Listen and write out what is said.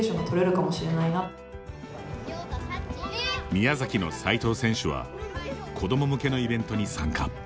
宮崎の齊藤選手は子ども向けのイベントに参加。